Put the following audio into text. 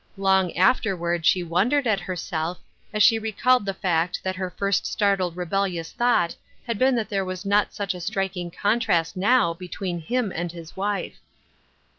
Long afterward she wondered at herwelf as she recalled the fact that her first startled rebellious thought had been that there was not such a striking contrast now between him and his wife.